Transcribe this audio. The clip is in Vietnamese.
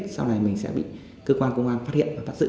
sau này mình sẽ bị cơ quan công an phát hiện và bắt giữ